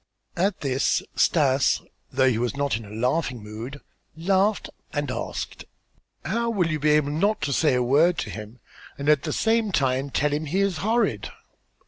At this Stas, though he was not in a laughing mood, laughed and asked: "How will you be able not to say a word to him and at the same time tell him he is horrid?"